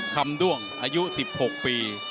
ด้วงอายุ๑๖ปี